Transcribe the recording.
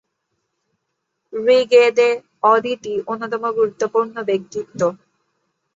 ঋগ্বেদে, অদিতি অন্যতম গুরুত্বপূর্ণ ব্যক্তিত্ব।